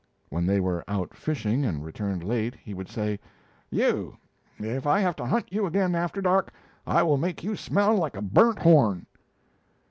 When they were out fishing and returned late he would say: "You if I have to hunt you again after dark, I will make you smell like a burnt horn!"